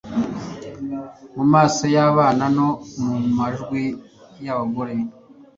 Mu maso yabana no mu majwi yabagore